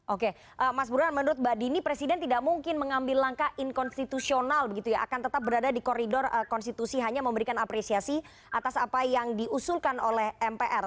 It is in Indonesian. oke mas burhan menurut mbak dini presiden tidak mungkin mengambil langkah inkonstitusional begitu ya akan tetap berada di koridor konstitusi hanya memberikan apresiasi atas apa yang diusulkan oleh mpr